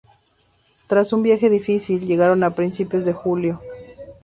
Tras un viaje difícil, llegaron a principios de julio.